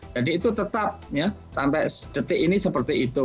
jadi itu tetap sampai detik ini seperti itu